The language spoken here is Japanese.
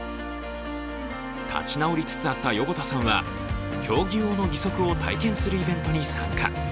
立ち直りつつあった横田さんは競技用の義足を体験するイベントに参加。